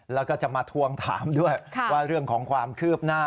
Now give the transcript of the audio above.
แล้วก็จะมาทวงถามด้วยว่าเรื่องของความคืบหน้า